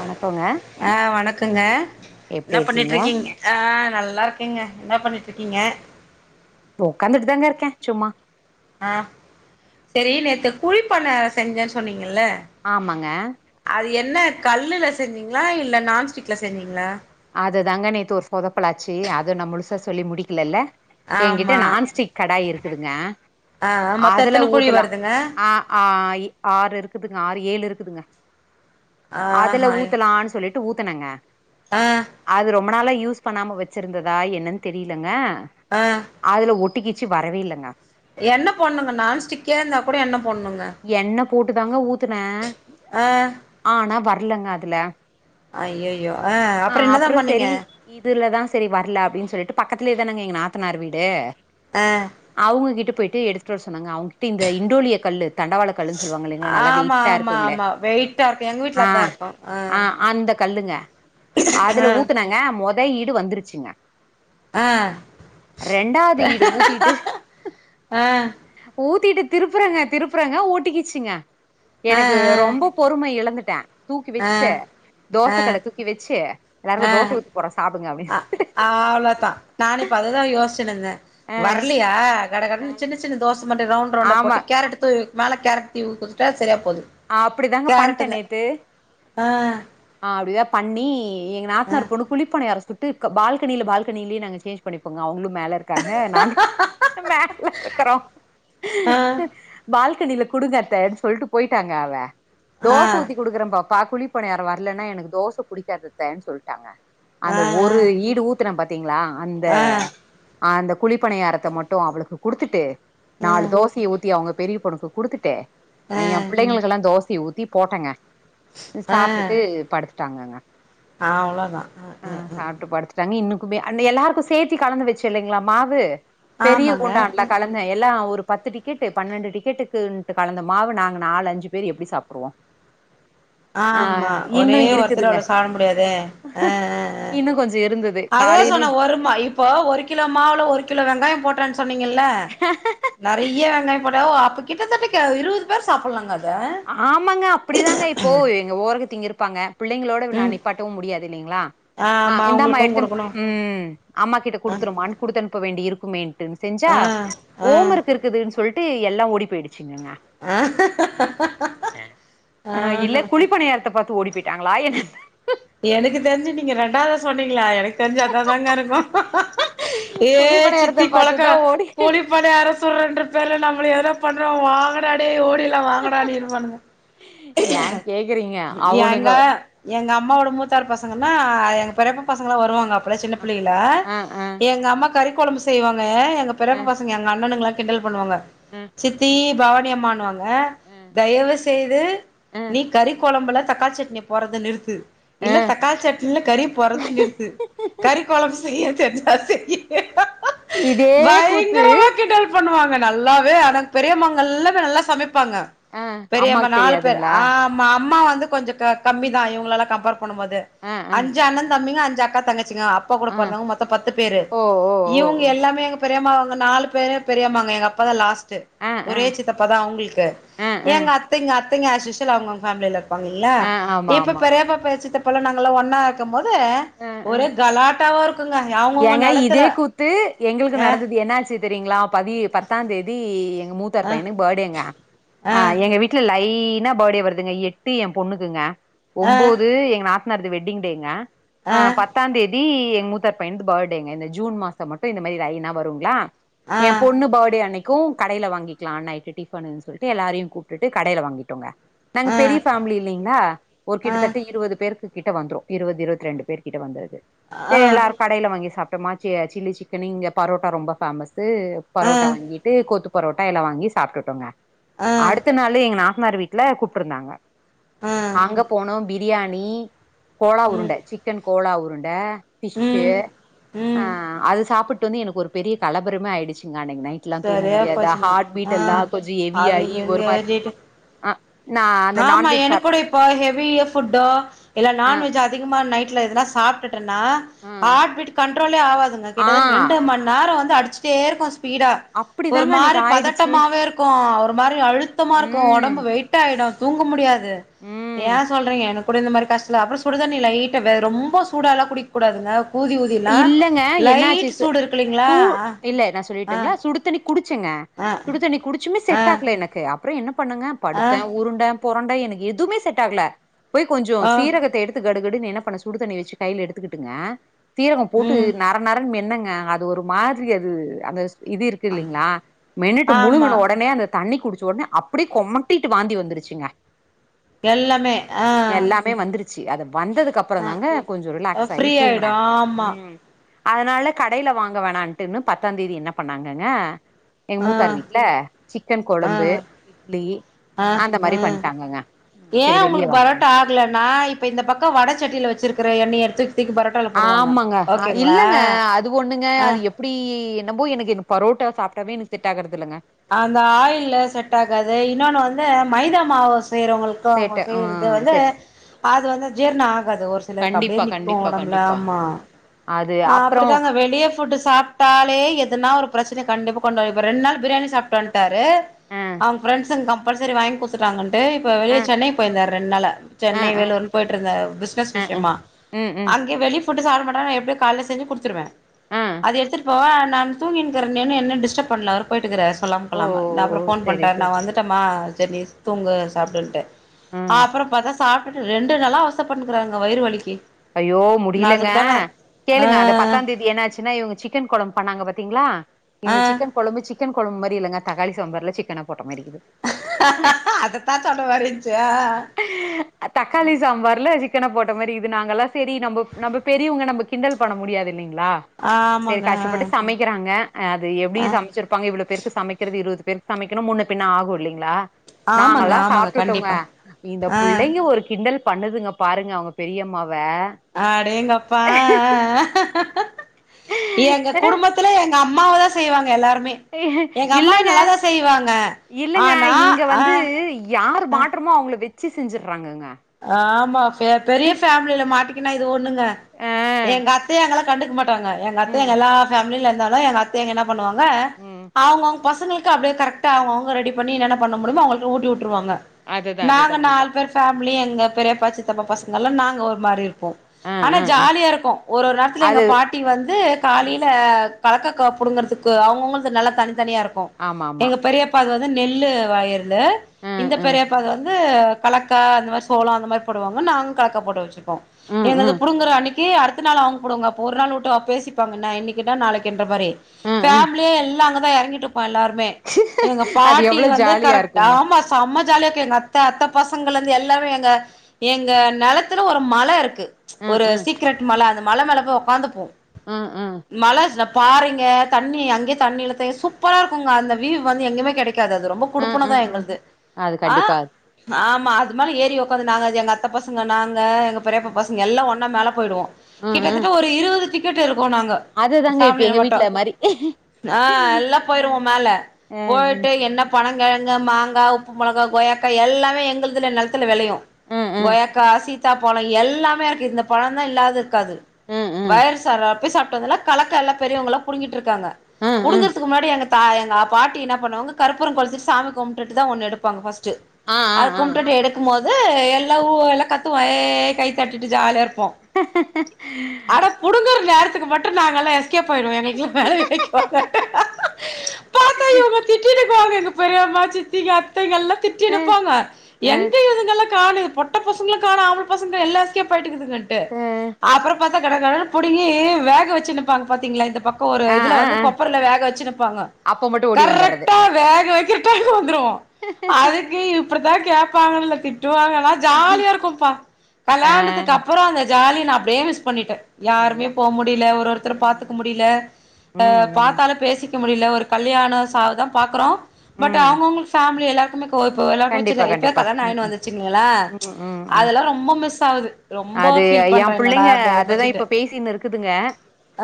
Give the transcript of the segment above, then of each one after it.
வணக்க ஆஹ் வணக்குங்க என்ன பண்ணிட்டு இருக்கீங்க ஆஹ் நல்ல நல்லா இருக்கேங்க என்னா பண்ணிட்டு இருக்கீங்க ஒக்காந்துட்டு தாங்க இருக்கே சும்மா ஆஹ சரி நேத்து குழிப்பான செஞ்சேன்னு சொன்னீங்கல ஆமாங்க அது என்ன கல்லுல செஞ்சீங்களா இல்ல நான்ஸ்டிக்ல செஞ்சீங்களா அது தாங்க நேத்து ஒரு சொதப்பலாச்சு அது நம் முழுசா சொல்லி முடிக்கலல்ல எண்கிட்ட ஆமா நான்ஸ்டிக் கடாய் இருக்குதுங்க ஆ மொத்த அதுல எத்தன குழி ஊத்துலாம் வருதுங்க ஆஹ் ஆறு இருக்குதுங்க ஆறு ஏழு இருக்கு இருக்குதுங்க அதுல ஆஹா ஊத்தலானு சொல்லிட்டு ஊத்தனங்க ஆஹ் ரொம்மநால யூஸ் பண்ணாமல் வச்சுருந்ததா என்னன்னு தெரியலங்க ஆ அதுல ஒட் டி கிச்சு வரவே இல்லங்க என்ன போண்ணுங்க நான்ஸ்டிக்கா இருந்தா கூட என்ன என்ன போட்டு தாங்க ஊத்துன ஆ ஆனா வர வரலங்க அதுல ஐயையோ ஆ ஆஹ என்னதான் அப்புறம் பண்ணீங்க சரி இதுலதா சரி வரல அப்டின்னு சொல்லிட்டு பக்கத்திலயே தானாங்க எங்க நாத்தனார் வீடு ஆ அவுங்க கிட்ட போயி ட்டு எடுத்துட்டு வர சொன்னாங்க அவங்ககிட்ட இந்த இண்டோலிய கல்லு தண்டவாள கல்லுன்னு சொல்லுவாங்க இல்லைங்களா நல்லா ஆமா வெயிட்டா ஆமா இருக்குங்களே ஆமா வெயிட்டா இருக்கு எங்க வீட்ல ஆ அதா இருக்கு ஆ ஆஹ் அந்த கல்லுங்க அதுல ஊத்துனாங்க மொ த ஈடு வந்துருச்சுங்க ஆஹ் ரெண்டாவது ஈடு ஊத்திட்டு ஆஹ் திட்டு திருப்புறேங்க திருப் புங்க ஓட்டிக்கிச்சுங்க ஆ எனக்கு ரொம்ப பொறும இழந்து ட்டே தூக்கி ஆ வச்சுட்டு தோசைக்கல்ல தூக்கி வச்சு எல்லாருக்கு தோச ஆஹ் ஊத்தி போட்றே சாப்டுங்க அ அப்டின்னு அவ்ளோதா நானு இப்ப அதுதா யோசிச்சினு ஆ வரலையா கடகடனு சின்ன சின்ன தோசை [unintelligible] ரவுண்ட் ரவுண்டா ஆமா போட்டு கேரட் தூவி மேல கேரட் தூவி குடுத்துட்டா சரியா போது அப்படிதாங்க பண்ட்ட கேரட்டுங்க நேத்து ஆ அப்டிதா பண்ணி எங்க ஆ நாத்தனார் பொண்ணு குழி பணியாரோ சுட்டு க பால்கனியில பால்கனியிலயே நாங்க சேஞ்ச் பண்ணிப்போங்க அவங்களு மேல இருக்காங்க நாங்களு மேல இருக்குறோ ஆ பால் கனில குடுங்கத்தன்னு சொல்ட்டு போயி ட்டாங்க அவ ஆ தோசை ஊத்தி குடுக்குறேம்பா ப்ப குழிப்பணியாரோ வரலன்னா எனக்கு தோசை புடிக்காது அத்தேன்னு சொல்ட்டாங்க ஆ அந்த ஆ ஒரு ஈடு ஊத்துன பாத் தீங்ளா அந்த ஆ அந்த குழிப்பணியாரத்த மட்டு அவளுக்கு குடுத்துட்டு ஆ நாலு தோசைய ஊத்தி அவங்க பெரிய பொண்ணுக்கு குடுத்துட்டு ஆஹ் உங்கக்கெல்லாம் தோசை ஊத்தி போட்டேங்க சாப்ட்டுட்டு படுத்து ட்டாங்கங்க ஆஹ் அவ்வளோதான் உம் உம் குபு அங்க எல்லாருக்கும் சேர்த்தி கலந்து வச்சில்லிங்கலா மாவு பெரிய ஆமாங்க குண்டான்ல அ கலந்தேன் எல்லாம் ஒரு பத்து டிக்கெட்டு பன்னெண்டு டிக்கெட்டுக்கு கலந்த மாவ நாங்க நால் அஞ்சு பேர் எப்டி சாப்டுவோம் ஆமா ஒரே ஒருத்தரால சாப்ட முடியாதே அஹ் அஹ் இன்னு கொஞ்ச இருந்தது அதுதான் காலையிலயு சொன்ன ஒருமா இப்போ ஒரு கிலோ மாவுல ஒரு கிலோ வெங்காயம் போட்றன் சொ சொன்னீங்கல்ல நெறைய வெங்காய போட்டா அப் கிட்டதட்டக்க இருவது பேர் சாப்பிடலாங்க அத ஆமாங்க அப்படிதாங்க இப்போ எங்க ஓரவத்திங்க பாங்க பிள்ளைங்களோட நான் ம் நிப்பாட்டவும் முடியாத இல்லைங்களா ஆஹ் ஆமா இந்தாமா உங்களுக்கு எடுத்துட்டு குடுக்கணு உம் அம்மா கிட்ட ஆ குடுத்துருனு குடுத்தனுப்ப வேண்டி இருக்கு மேன் சென்ச்சா ஆ ஆ ஹோம்ஒர்க் இருக்குதுன்னு சொல்லிட் ட்டு எல்லாம் ஓடி போயிடுச்சுங்க ஆஹ் ஆஹ் இல்ல ஆஹஹ குழிப்பணியாரத்த பாத்து ஓடி போய் நாங்களா என்ன எனக்கு தெரிஞ்சு நீங்க ரெண்டாவது சொன்னீங்களே எனக்கு தெரிஞ்சு அதா தாங்க இருக் ஏ குழிப்பணியாரத்த சித்தி கொழக்க பாத்துதா ஓடி குழிப்பணியார சுட்ரன்ற பேர்ல நம்ம ஏதோ பண்றா வாங்காடா டேய் ஓ ல்லாம் வாங்கடா னு இருப்பானுங்க ஏ கேக்குறீங்க அவனுங்க யாண்டா எங்க ம்மா வோடு மூத்தார் பசங்கன்னா எங்க பெரியப்ப பசங்களா வருவாங்க உனு சின்ன அ பிள்ளைல அ அ எங்க அம்மா கறிக்கு கொழம்பு செய்வாங்க எங்க அ எங்கபெரியப்பா பசங்க எங்க அண்ணனுங்கள கிண்டல் பண்ணுவாங்க அ சித்தீ பவானி அம்மானுவாங்க அஹ அ தயவு செய்து அ நீ கறி குழம்புல தக்காளி சட்னி போறத நிறுத்து அ இல்ல தக்காளி சட்னியில கறி போறத நிறுத்து கறி குழம்பு செய் இதே கூத்து பயங்கரமா கிண்டல் பண்ணுவாங் நல்லாவே ஆனா பெரியமாங்க எல்லாம் நல்லா சமைப்பாங்க ஆ இருப்பாங்க பெரியம்மா அம்மாக்கு நாலு பேர் தெரியாதுங்களா ஆ ஆமா அம்மா வந்து இது கொஞ்சம் கம்மி தான் இவுங்களலா கம்பேர் பண்ணும் போது ஆ ஆ அஞ்சு அண்ணன் தம்பிங்க அக்கா தங்கை எங்க அப்பா கூட ஆ பொறந்தாவங்க மொத்தம் பத்து பேரு ஓ ஓ ஓ இவங்க ஓ எல்லாமே எங்க பெரியம்மாக்கு நாலு பேரு பெரியமாங்க எங்க அப்பா தான் லாஸ்ட் ஆ ஆ ஒரே சித்தப்பதான் அவுங்களுக்கு ஆ ஆ எங்க அத்தையிங்க அத்தைங்க அஸ்யூஸ்வல் அவு அவுங்க ஃபேமிலில இருக் அப்டிங்களா ஆ ஆமா இப்ப ஆமா பெரியப்பா பேச் இப்பலாம் நாங்களாம் ஒண்ணா இருக்குப்போது வீட்ல ஆ ஆ ஒரே கலாட்டாவா இருக்குங்க அவங்கவுங்க ஏங்க இதே நெலத்துல கூத்து எங்களுக்கு அ நடந்து என்னாச்சி தெரிங்களா பதி பத்தாம் தேதி மூத்தார் அ பையனுக்கு பர்த்டேங்க அ எங்க வீட்ல லைட் லைனா பர்த்டே வருதுங்க எட்டு ஏன் பொண்ணுக்குங்க அ ஒன்பது எங்க நாத் தனாருக்கு வெட்டிங் டேங்க அ ஆஹ் பத்தா தே தி முத் தார் பையனுக்கு பர்த்டேங்க இந்த ஜூன் மாசம் மட்டும் இந்த மாதிரி லைனா வருங்களா ஆ என் பொண்ணு பர்த்டே அன்னை க்கு கடையில வாங்கிக்கலாம் நைட்டு டிஃபன்னு சொல்லிட்டு எல்லாரையும் கூப்பிட்டு கடையில வாங்கிட்டோங்க நாங்க ஆ ஆ பெரிய ஃபேமிலி இல்லைங்களா ஒரு ஆ கிட்டத்தட்ட இருபது பேருக்கு கிட்ட வந்துரும் இருவது இருவத்ரெண்டு பேர் கிட்ட வந்துருது ஆஹ் கடைல வாங்கி சாப்பிட்டமா சில்லி சிக்கன் இங்க பரோட்டா ரொம்ப பேமஸ் து பரோட்டா வாங்கிட்டு கொத்து பொரோட்டா எல்லா வாங்கி சாப்டுட்டோங்க ஆ அடுத்த நாளு எங்க நாத் தனாரு வீட்டுல கூப்பிட்டு இருந்தாங்க ஆ அங்க போனோம் பிரியாணி ம் கோளாவுருண்ட சிக்கன் கோலாவுருண்ட ச்சே ம் ஹ ம் அது சாப்புட் டு வந்து எனக் ஒரு பெரிய கலபரமே ஆய்டுச்சுங்க நானக்கி நைட்லா தூங்க சரியா முடியாத போச்சுங்க ஹார்ட் ஆ பீட்டல்லா கொஞ்ச ஹெவி அது ஆயி ஒரு மாரி பெரிய அ ஆமா எனக் கூட இப்போ ஹெவியோ ஃபுட்டோ இல்ல ஆ நான்வெஜ் அதிகமா நைட் எதனா சாப்ட்டு ட்ருனா ஆ ஹார்ட் பீட் கண்ட்ரோலே ஆவாதுங்க ஆ கிட்டதட்ட ரெண்டு மண் நேர வந் அடிச்சுடே இருக்கும் பீடா ஒரு அப்டிதாங்க மாரி அன்னைக்கு ஆயிடுச்சு பதட்டமாவே இருக்கு ஒரு மாரி அழுத்தமா இருக்கு ம் ஒடம்பு வெயிட்ட ஆய்டு தூங்க முடியாது இது ம் ஏன் சொல்றீங்க எனக்கு குடிந்த மாரி கஸ்லா அப்பற சுடுதண்ணி லைட்ட ரொம்ப சூடல்லா குடிக்க கூடாதுல இல்லங்க என்ன ஆச்சு இருக்கு இல்லைங்களா இல்ல நான் ஆ சொல்லிட்டுங்களா சுடு தண்ணி குடுத்து சுங்க ஆ சுடு தண்ணி குடிச்சுமே ஆ செட் ஆகல எனக்கு அப் அப்பறம் என்ன பண்ணுங்க ஆ படுத்த ஆ உருண்ட பொறண்டா எனக் எதுமே செட் ஆகல போய் கொஞ்சம் ஆ சீரகத்த எடுத்து கடுகடுனு என்ன பண்ண சுடு தண்ணி வச்சு கையில எடுத்துக்கிட்டுங்க தீரக போட்டு ம் நர நரன் மென் என்னங்க அது ஒரு மாதிரி அது அந்த இது இருக்கு இல்லலைங்களா மேன்னுட்டு முழுங்குன ஆமா உடனே அந்த தண்ணி குடிச்ச ஒடனே அப்டியே கொமட்டிட்டு வாந்தி வந்துருச்சுங்க எல்லாமே அஹ் சி அத வந்ததுக்கு அப்புறோ தாங்க கொஞ்சோ ரிலாக்ஸ் ஆகி ஃப்ரீ தூங்குன. ஆயிடு ஆமா உம். அதனால கடையில வாங்க வேணாம்னுட்டு இன்னு பத்தாம் தேதி என்ன பண்ணாங்கங்க. எங்க ஆஹ மூத்தார் வீட்ல சிக்கன் கொழம்பு ஆஹ இட்லி ஆஹ அந்த மாரி அஹ பண்ட்டாங்கங்க ஏ செரி வெளிய ஒங்ளுக்கு வாங்க வேணா பரோட்டா ஆகலனா இப்ப இந்த பக்கோ வடச்சட்டியில வச்சிருக். குற எண்ணெய எடுத்து. ஆமாங்க இல்லங்க அது ஒண்ணுங்க ஆ அது எப்படி. போ எனக்கு என் பரோட்டா சாப்டாவே எனக்கு செட் ஆகுறது. அந்த ஆயில்ல செட்டாகாது இன்னொன்னு வந்து ம். மைதா மாவு. செய்றவங்ளுக்கு அவுங்க சேட்ட ஆ செய்றத வந்து செட் அது வந்து ஜீர்ணோ ஆகாது ஒரு சிலருக்கு அப்டியே கண்டிப்பா நிக்கு கண்டிப்பா ஒடம்பல கண்டிப்பா ஆமா. அது அப்றோ அப்டித்தாங்க வெளிய. ஃபுட் சாப்டாலே எதுனா ஒரு பிரச்சன கண்டிப்பா கொண்டுரப்போர ரெண்நாள் பிரியாணி. சாப்புட்டு வந்துட்டார். ஆ ங்க அவுங் ஃரெண்ட்ஸ்களாம். அப்ப சேரி வாங்கிகுடுத்துட்டாங்கன்னு. டு இப்ப வெளிய ஆ சென்னை போயிருந்தாரு ரெண்நாளா. ஆ சென்னை ஆ வேலூர்ன்னு போய்ட்ருந்தாரு பிஸ்னஸ் ஆ ஆ விஷயமா. ம் ம் அங்கயு வெளிய ஃபு. போட்டு சாப்ட மாட்டாங்க நா எப்டியோ கால்ல செஞ்சு குடுத்துடுவ. ஆ அது எடுத்துட்டு போவ. நா தூங்கின்யிருக்குறனேனு என்ன டிஸ்டப் பண்ணல அவரு போயிட்டுருக்குறாரு. சொல்லாம ஓ கொல்லாம நா ஓ ஓ அப்புறோ ஃபோன் செரி பண்ணுராரு நா செரி வந்துட்டம்மா. சேரி நீ. தூங்க ம் சாப்டுன்ட்டு. ம் அப்பறோ பாத்தா சாப். அ ரெண்டு நாளா அவஸ்த பட்னுக்குறாங்க வயிறு வலிக்கு. ஐயோ நா முடியலங்க அதுக்கு தா நா கேளுங்க அத ஆ பத்தா தேதி என்னாச்சுன்னா இவங்க சிக்கன் கொழம்பு பண்ணாங்க பாத்தீங்களா. ஆ இந்த சிக்கன் கொழம்பு சிக். சிக்கன் கொழம்பு மாரி இல்லைங்க தக்காளி சாம்பார்ல சிக்கன் போட். ஹஹேஹாஹ அதத்தா சொல்ல வரிங். ஹேஹ தக்காளி சம்பார்ல சிக். சிக்கன்ன போட்ட மாரி இருக்குது நாங்க எல்லா சேரி நம்ப நம்ப பெரியவங்க நம்ம கிண்டல் பண்ண முடியாது இல்லைங். லா ம்ச் சேரி ஆமாங்க கஷ்டப்பட்டு சமைக்கிறாங்க அது எப்படி ஆ சமைச்சிருப்பாங்க இவ்வளோ பேருக்கு சமைக்கிறது இருவது. பேருக்கு சமைக்கணு முன்னு பின்ன ஆகு இல்லைங்களா. ஆமாங்க நாங்கல்லா ஆமாங்க சாப்புட்டுட்டோங்க. கண்டிப்பா இந்த ஆ புள்ளைங்க ஒரு கிண். கிண்டல் பண்ணுதுங்க பாருங்க அவங்க பெரியம்மா. அடேங்கப்பா ஆஹ் ஆஹ் ஆஹ் எங்க குடும்பத்துல எங்க அம் அம்மாவ தான் செய்வாங்க எல்லாருக்கு இல்லங்க இல்லங்க ஆனா இங்க ஆ வந்து யார் மாற்றமோ அவுங்கள வெ வச்சு செஞ்சுறாங்கங்க ஆஹ் மா பெரிய ஃபேமிலில மாட் என்ன இது ஓ ஆ எங்க அத்த எங்களுக் கண்டுக்க மாட் டாங்க எங்க அத்த ம் எங்க எல்லா ஃபேமலில இருந்து அதா எங்க அத்தைங்கன்னா பண்ணுவாங்க ம் அவுங்க அவுங் பசங்களுக்கு அப்படியே கரெக்டா அவுங்க ரெடி பண்ணி என்ன பண்ண முடியமோ அவங்களுக்கு உட்டிவிட்டு விட்டுருவாங்க அதுதா அதுதா நாங்க அதுதா நாலு பேர் ஃபேமிலி அப்ப எங்க பெரியாப்பா சித்தப்பா பசங்க எல்லாம் நாங்க ஒரு மாதிரி இரு இருப்போம் ஆ ஆனா ஆ ஆ ஜாலியா இருக்கும் ஒரு ஒரு நேரத்துல எங்க அது பாட்டி வந்து ம் காலைல கலக்க கா புடுங்கறதுக்கு அவுங்க அவங்களுக்கு நெலதனி தனியா இருக்கும் ஆமா ஆமா எங்க பெரியப்பா வந்து நெல்லு வாயிரு ம் இந்த ம் பெரியப்பாத வந்து இது கரெக்ட் அக்கா அந்த மாரி சோளம் அந்த மாரி போடுவங்க நாங்கள் கலக்கா போட்டு வச்சுோம் ம் என்னது ம் புடுங்கற அனுப்பி அடுத்த நாள் வாங்க போடுங்க அப்போ ஒரு நாள் விட்டு பேசிப்பாங்கண்ணா என்னனைக்குட்டா நாளைக்குன்ற மாதிரி ம் ம் ஃபேமிலியா எல்லாம் இறங்கிட் எல்லாருமே எங்க அது பாட்டி எவ்ளோ வந்து ஜாலியா கரெக்ட் இருக்குங்க ஆமா சமச் ஜாலியா இருக்கும் எங்க அத்தா அத்தா பசங்க எங்களது எல்லாமே எங்க எங்க நெலத்துல ஒரு மல இருக்கு ம் ஒரு சீக்ரேட் மல அந்த மா மலமேல போய் உக்காந்து போ ஆஹ் ஆஹ் பாருங்க தண்ணி அங்கே தண்ணிழுத்த சூப்பரா இருக்குங்க அந்த வீவ் வந்து எங்கயுமே கிடை கிடைக்காது அது ரொம்ப ம் ம் குடுப்புனதான் ம் எங்களது அது ஆஹ் கண்டிப்பா ஆமா அது மேரி ஏறி உடக்காந்து நாங்க அது எங்க அத்தை பசங்க நாங்க எங்க பெரியப்ப ம் பசங்க எல்லாம் ஒன் மேல போயிடுவோம் ம் ம். கிட்டத்தட்ட ஒரு இருபது டிக் கெட் வரும் போ நாங்க அதுதாங்க இப்ப பேமிலிய எங்க மட்டும் வீட்ல மாரி ஆ எல்லாம் ம் போயிருவோம் மேல ம் ம் போயிட்டு என்ன பணங்க கிழங்கு மாங்காய் உப்பு மிளகா கோயாக்கா எல்லாம் எங்கள்துல நல்து விளையும் ம் ம் கோயாக்கா சீத்தா சீத்தா பழம் எல்லாமே இருக்கு இந்த பழம் தான் இல்லாதது இருக்காது ம் ம் வயல் சார போய் சாப்ப இப்பல கலக்க எல்ல பெரியவங்கெல்லாம் புடிங்கிட்டு இருப் பாங்க ம் ம் புடுங்கறதுக்கு முன்னாடி எங்க ஆ எங்க பாட்டி என்ன பண்ணுவங்க கற்பூரம் குலுத்திட்டு சாமி கும்பிட்டு தான் ஒன்னு எடுப்பாங்க பஸ்ட்டு ஆ ஆ ஆ ஆ அதுகும்ட்டுட்டு எடுக்கும் போது எல்லாம் ஊ எல்லாம் கத்துவோம் கைத்தட்டிட்டு ஜாலிய இருக்கும் புடுங்குற [unintelligible] நேரத்துக்கு மட்டும் நாங்கல்லாம் எஸ் போயிடும் எனக்கு பயம் வைக்கு பார்த்தாங்க திட்டினு வாங்க எங்க பெரியம்மா சித்திங்க அத்தைகல்லாம் திட்டி ஆ எடுப்பாங்க எங்க இதுங்கள்லா காணுது பொட்ட பசங்களும் காணும் ஆம்பள பசங்க எல்லா எஸ்கேப் ஆயிட்டுதுங்க திட்டு அப்புறம் பாத் கட கடனு பிடுங்கி வேக வச்சு நிப்பாங்க பாத்தீங்களா இந்தப் பக்கம் ஒரு ஆ ஆ இதுல வந்து ஆ கொப்பரல வேக வச்சுப்பாங்க அப்ப மட்டு ஓடி வந்தர்றது கரெட்கா வேக வைக்ர டைம்க்கு வந்துருவோம் அதுக்கு இப் [unintelligible] திட்டுவாங்காள ஜாலியா இருக்கும்பா ஆ கல்யாணத்துக்கு அப்புறம் அந்த ஜாலி நான் அப்படியே மிஸ் பண்ணிட்ட யாருமே எல்லா போக முடியல ஒரு ஒருத்தரு ம் பார்த்துக்க முடியல ம் ம் பார்த்தாலும் பேசி இருக்க முடியல ஒரு கல்யாண சாவை தான் பார்க்கறோம் பட் ம் அவங்கவுங்களுக்கு பேமிலி எல்லா நமக்குகோ இப்போ எல்லாருக்குமே கண்டிப்பா சின்ன இப்ப கண்டிப்பா கல்யாணோ உம் ஆயின்னு வந்துச்சுங்களே உம் உம் உம் உம் அதெல்லா ரொம்ப மிஸ் ஆகுது ரொம்ப அது ஃபீல் என் பண்றே என்னடா பிள்ளைங்க இப்டி ஆயி அததான் போச்சுன்ட்டு இப்ப பேசினு இருக்குதுங்க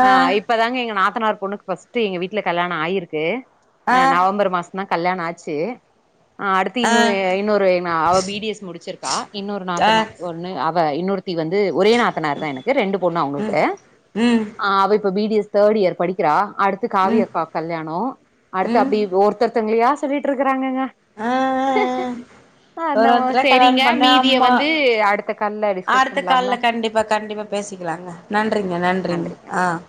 ஆ ஆஹ் இப்பதாங்க எங்க நாத் னாறு பொண்ணுக்கு பஸ்ட் எங்க வீட்ல கல்யாணம் ஆயிருக்கு ஆ ஆஹ் நவம்பர் மாதம் கல்யாணம் ஆச்சு ஆஹ் ஆ இன்னு இன்னொரு அவ பி டி எஸ் முடிச்சிருக்கா இன்னொரு நாத்த ஆ நாதன்னார் பொண்ணு இவ இன்னொரு தி வந்து ஒரே நாத்தனார் தான் எனக்கு ரெண்டு பொண்ணு ம் அவங்களுக்கு ம் அவ இப்ப B D S third year படிக்கிறா அடுத்து ம் காவியக்க கல்யாணம் அடுத்து ம் அப்படி ஒருத்தர் தங்களியா சொல்லிட்டு இருக்கறாங்க ஆஹ் ஆஹ் ஆஹ் ஒரு நம்ம ஒருத்த சரிங்க கல்யாணம் பண்ண மீதிய ஆமா வந்து அடுத்த கால்ல டிஸ்கஸ் அடுத்த கால்ல பண்லாங்களா ஆஹ் கண்டிப்பா கண்டிப்பா ம் பேசிக்கலாங்க ஓகேங்க நன்றிங்க நன்றிங்க ஆஹ்